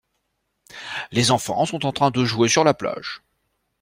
Les enfant sont en train de jouer sur la plage.